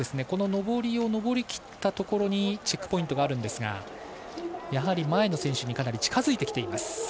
この上りを上りきったところにチェックポイントがありますがやはり前の選手にかなり近づいてきています。